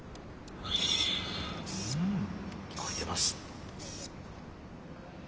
聞こえてます。